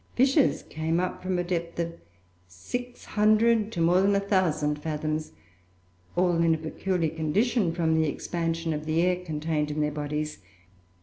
Fishes came up from a depth of 600 to more than 1,000 fathoms, all in a peculiar condition from the expansion of the air contained in their bodies.